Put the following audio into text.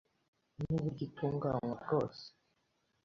n’uburyo itunganywa bwose